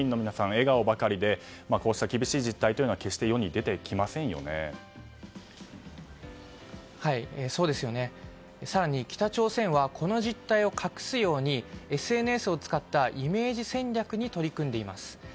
笑顔ばかりでこうした厳しい実態は更に、北朝鮮はこの実態を隠すようにＳＮＳを使ったイメージ戦略に取り組んでいます。